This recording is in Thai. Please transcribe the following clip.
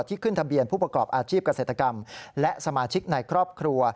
ขึ้นทะเบียนผู้ประกอบอาชีพเกษตรกรรมและสมาชิกในครอบครัว